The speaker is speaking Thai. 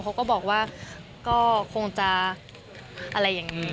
เขาก็บอกว่าก็คงจะอะไรอย่างนี้